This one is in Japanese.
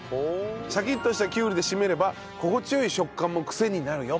シャキッとしたきゅうりで締めれば心地良い食感も癖になるよ。